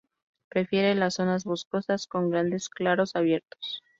Prefiere las zonas boscosas con grandes claros abiertos.